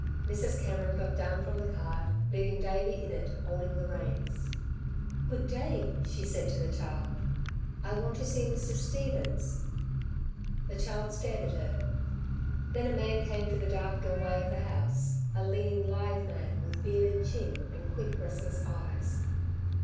Mrs. Cameron got down from the cart, leaving Davey in it holding the reins. "Good day," she said to the child. "I want to see Mr. Stevens." The child stared at her. Then a man came to the dark doorway of the house, a lean, lithe man, with bearded chin and quick restless eyes.